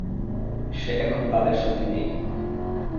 সে এখন তাদের সাথে নেই।